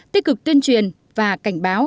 tích cực tuyên truyền và cảnh báo